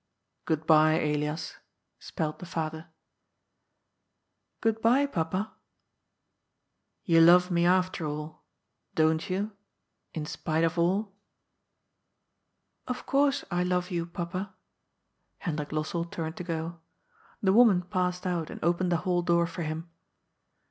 " Good bye, Elias," spelled the father. " Good bye, Papa." VOLDERDOBS ZONEN. 103 " You love me, after all— don't you ?— ^in spite of all ?"Of course I love you, Papa." Hendrik Lossell turned to go. The woman passed out and opened the hall door for him.